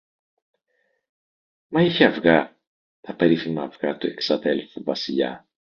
Μα είχε αυγά, τα περίφημα αυγά του εξαδέλφου Βασιλιά.